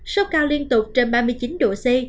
sốc cao liên tục trên ba mươi chín độ c